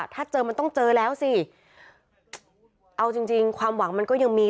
ถ้าเจอมันต้องเจอแล้วสิเอาจริงจริงความหวังมันก็ยังมี